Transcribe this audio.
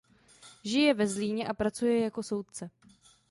Žije ve Zlíně a pracuje jako soudce.